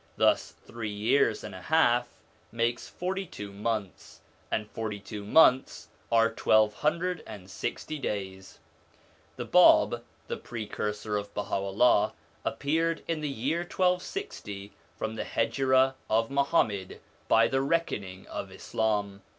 Thus three years and a half make forty two months, and forty two months are twelve hundred and sixty 52 SOME ANSWERED QUESTIONS days. The Bab, the precursor of Baha'ullah, appeared in the year 1260 from the Hejira of Muhammad, by the reckoning of Islam.